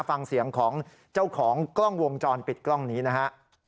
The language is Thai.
ฟังเสียงของเจ้าของกล้องวงจรปิดกล้องนี้นะฮะ